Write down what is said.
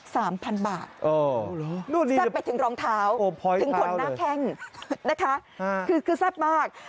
สามพันบาทซับไปถึงรองเท้าถึงขนหน้าแข้งนะคะคือซับมาก